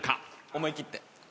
・思い切って。